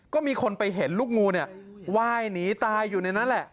ก็มีคนไปเห็นลูกงูเนี่ยวายหนีตายอยู่ในนั้นแหละ